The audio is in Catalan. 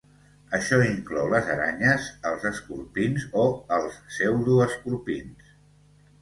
Això inclou les aranyes, els escorpins o els pseudoescorpins.